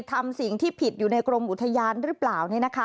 ทำสิ่งที่ผิดอยู่ในกรมอุทยานหรือเปล่า